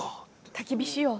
たき火しよう。